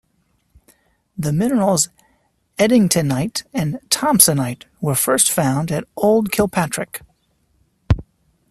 The minerals edingtonite and thomsonite were first found at Old Kilpatrick.